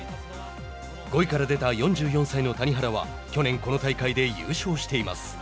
５位から出た４４歳の谷原は去年この大会で優勝しています。